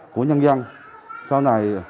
của nhân dân sau này